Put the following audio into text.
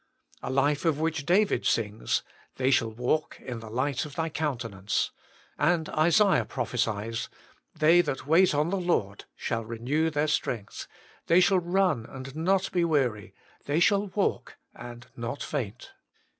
A lif e of which David sings, " They shall walk in the light of Thy countenance," and Isaiah prophesies, " They that wait on the Lord shall 94 THE MINISTRY OF INTERCESSION renew their strength ; they shall run and not be weary, they shall walk and not faint."